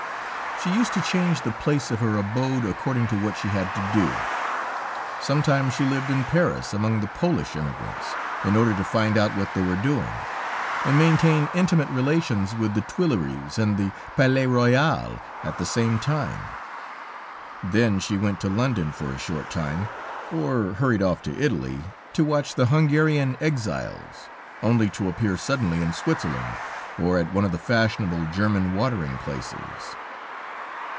She used to change the place of her abode, according to what she had to do. Sometimes she lived in Paris among the Polish emigrants, in order to find out what they were doing, and maintained intimate relations with the Tuileries and the Palais Royal at the same time; then she went to London for a short time, or hurried off to Italy, to watch the Hungarian exiles, only to reappear suddenly in Switzerland, or at one of the fashionable German watering places.